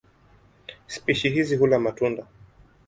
Spishi hizi hula matunda.